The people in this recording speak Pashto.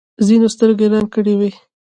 ځینو سترګې رنګ کړې وي.